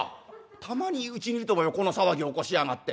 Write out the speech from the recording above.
たまにうちにいると思えばこの騒ぎを起こしやがって。